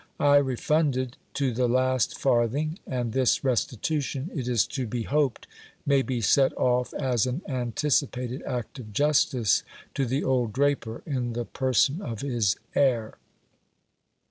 I refunded to the last farthing ; and this restitution, it is to be hoped, may be set off as an anticipated act of justice to the old draper, in the person of his heir.